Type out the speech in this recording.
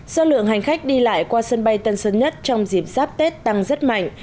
do lượng hành khách đi lại qua sân bay tân sơn nhất trong dịp giáp tết tăng rất mạnh